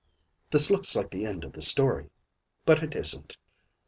This looks like the end of the story; but it isn't.